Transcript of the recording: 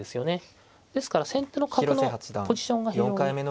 ですから先手の角のポジションが非常に。